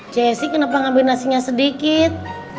jessi kenapa ngambil nasinya sedikit